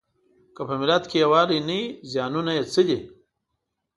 که په یوه ملت کې یووالی نه وي زیانونه یې څه دي؟